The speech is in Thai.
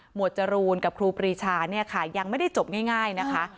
โหมดจรูนกับครูปหรีชายังไม่ได้จบง่ายนะครับ